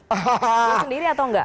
berdiri sendiri atau enggak